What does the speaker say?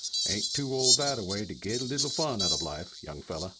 Ain't too old thataway to git a little fun out of life, young fella!"